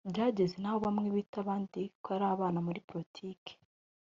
byageze n’aho bamwe bita abandi ko ari abana muri politiki